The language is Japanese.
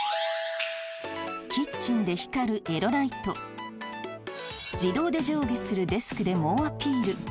キッチンで光るエロライト自動で上下するデスクで猛アピール。